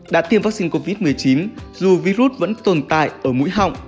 đã tiêm vaccine covid một mươi chín dù virus vẫn tồn tại ở mũi họng